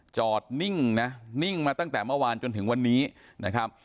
จอดนิ่งนะนิ่งมาตั้งแต่เมื่อวานจนถึงวันนี้นะครับ